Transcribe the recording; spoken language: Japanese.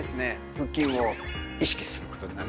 腹筋を意識する事になり